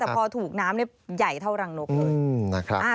แต่พอถูกน้ำเนี่ยใหญ่เท่ารังนกเลย